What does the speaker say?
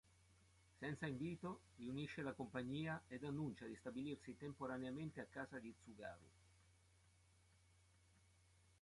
Senza invito, riunisce la compagnia ed annuncia di stabilirsi temporaneamente a casa di Tsugaru.